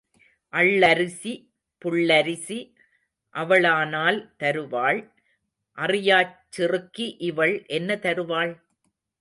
அள்ளரிசி புள்ளரிசி அவளானால் தருவாள் அறியாச் சிறுக்கி இவள் என்ன தருவாள்?